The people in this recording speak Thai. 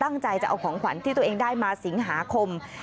ตั้งใจจะเอาของขวัญที่ตัวเองได้มาสิงหาคม